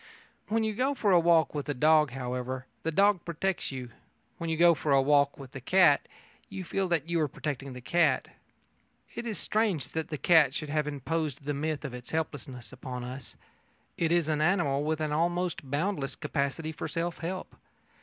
When you go for a walk with a dog, however, the dog protects you: when you go for a walk with a cat, you feel that you are protecting the cat. It is strange that the cat should have imposed the myth of its helplessness on us. It is an animal with an almost boundless capacity for self help.